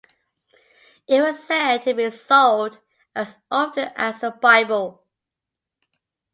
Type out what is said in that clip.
It was said to be sold as often as the Bible.